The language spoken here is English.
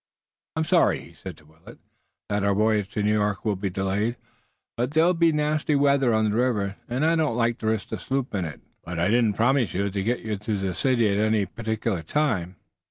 "I'm sorry," he said to Willet, "that our voyage to New York will be delayed, but there'll be nasty weather on the river, and I don't like to risk the sloop in it. But I didn't promise you that I'd get you to the city at any particular time."